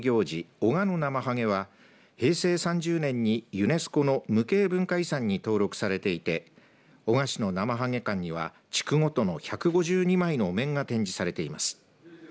男鹿のナマハゲは平成３０年にユネスコの無形文化遺産に登録されていて男鹿市のなまはげ館には地区ごとの１５２枚のお面が展示されています。